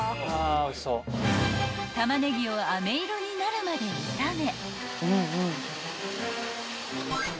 ［タマネギをあめ色になるまで炒め］